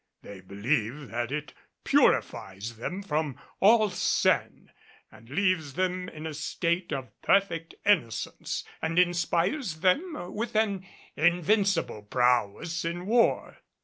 They believe that it purifies them from all sin, leaves them in a state of perfect innocence, and inspires them with an invincible prowess in war.